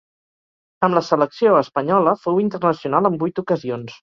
Amb la selecció espanyola fou internacional en vuit ocasions.